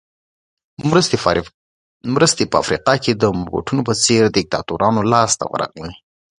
مرستې په افریقا کې د موبوټو په څېر دیکتاتورانو لاس ته ورغلې.